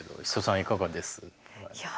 シソさんいかがです？